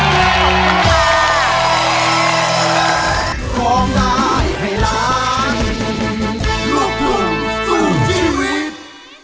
มันเจ็บใจแห้งย้วนถึงแท้งหวังถึงแท้งหวัง